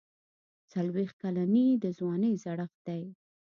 څلوېښت کلني د ځوانۍ زړښت دی.